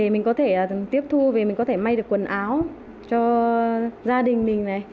mình có thể tiếp thu về mình có thể may được quần áo cho gia đình mình này